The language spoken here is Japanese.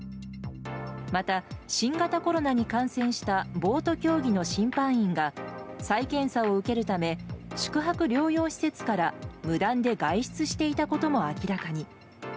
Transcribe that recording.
また新型コロナに感染したボート競技の審判員が再検査を受けるため宿泊療養施設から無断で外出していたことも明らかに。